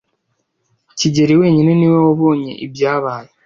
kigeli wenyine niwe wabonye ibyabaye.